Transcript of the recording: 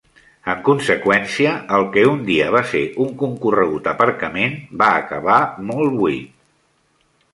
En conseqüència, el que un dia va ser un concorregut aparcament va acabar molt buit.